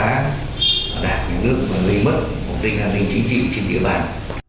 và đạt những lực và lây mất của tình hành chính trị trên địa bàn